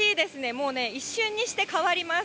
もうね、一瞬にして変わります。